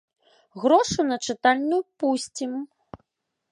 Грошы на чытальню пусцім.